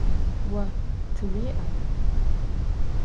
Vo tı vui'a?